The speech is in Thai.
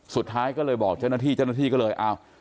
สุดท้ายก็เลยบอกเจ้าหน้าที่เจ้าหน้าที่ก็เลยอ้าว